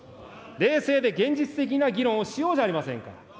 冷静で現実的な議論をしようじゃありませんか。